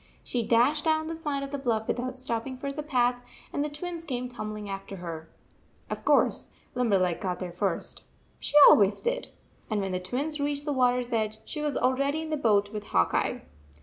She dashed down the side of the bluff without stopping for the path, and the Twins came tumbling after her. Of course, Limberleg got there first. She always did. And when the Twins reached the water s edge, she was already in the boat with Hawk Eye.